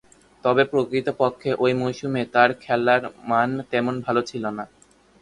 তবে, প্রকৃতপক্ষে ঐ মৌসুমে তার খেলার মান তেমন ভালো ছিল না।